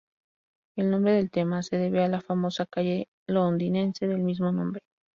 El nombre del tema se debe a la famosa calle londinense del mismo nombre.